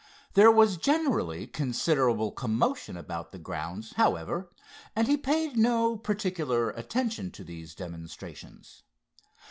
There was generally considerable commotion about the grounds, however, and he paid no particular attention to these demonstrations.